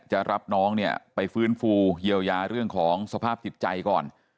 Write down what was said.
จะรับน้องเนี่ยไปฟื้นฟูเยียวยาเรื่องของสภาพจิตใจก่อน